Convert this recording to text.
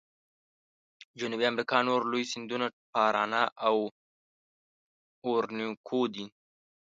د جنوبي امریکا نور لوی سیندونه پارانا او اورینوکو دي.